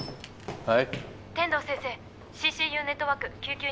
はい！